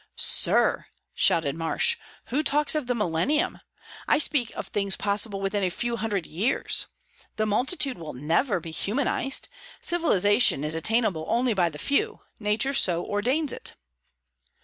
"Sir!" shouted Marsh, "who talks of the Millennium? I speak of things possible within a few hundred years. The multitude will never be humanized. Civilization is attainable only by the few; nature so ordains it."